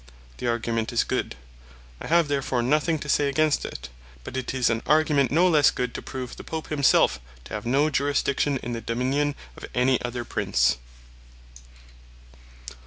The argument is good; I have therefore nothing to say against it. But it is an argument no lesse good, to prove the Pope himself to have no Jurisdiction in the Dominion of any other Prince.